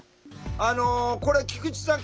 あのこれ菊池さん